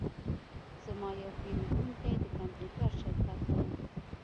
زما یو پیرودونکی د کمپیوټر شرکت دی